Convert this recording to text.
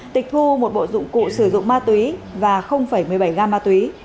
tịch thu một bộ dụng cụ sử dụng ma túy và một mươi bảy gam ma túy